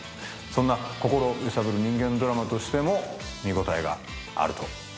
そんな心揺さぶる人間ドラマとしても見応えがあると思ってます。